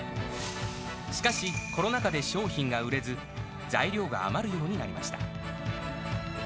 しかし、コロナ禍で商品が売れず、材料が余るようになりました。